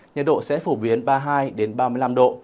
nhiệt độ sẽ phổ biến ba mươi hai ba mươi năm độ